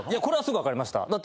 これはすぐ分かりました。